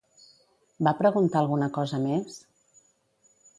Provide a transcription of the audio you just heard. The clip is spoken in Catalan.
Va preguntar alguna cosa més?